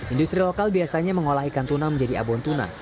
industri lokal biasanya mengolah ikan tuna menjadi abon tuna